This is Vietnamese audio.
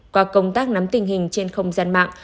qua công tác nắm tình hình trên không gian mạng